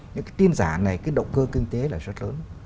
những cái tin giả này cái động cơ kinh tế là rất lớn